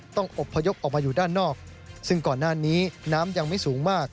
ต้องอบพยพออกมาอยู่ด้านนอกซึ่งก่อนหน้านี้น้ำยังไม่สูงมาก